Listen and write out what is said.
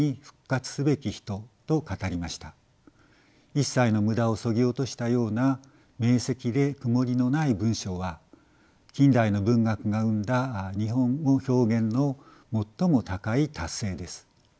一切の無駄をそぎ落としたような明せきで曇りのない文章は近代の文学が生んだ日本語表現の最も高い達成です。